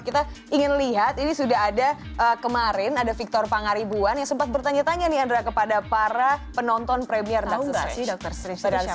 kita ingin lihat ini sudah ada kemarin ada victor pangaribuan yang sempat bertanya tanya nih andra kepada para penonton premiere doctor strange